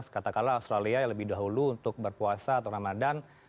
sekatakala australia lebih dahulu untuk berpuasa atau ramadhan